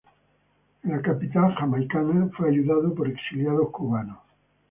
En la capital jamaicana fue ayudada por exiliados cubanos.